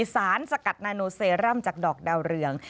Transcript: สารสกัดนาโนเซรั่มจากดอกดาวเรือง